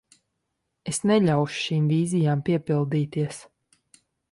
Es neļaušu šīm vīzijām piepildīties.